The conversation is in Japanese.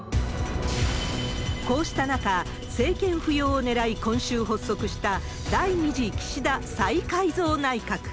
こうした中、政権浮揚をねらい、今週発足した、第２次岸田再改造内閣。